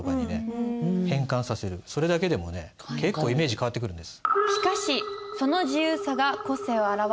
それだけでもね結構イメージ変わってくるんです。